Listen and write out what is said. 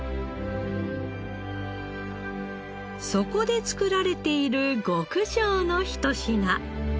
そこで作られている極上のひと品。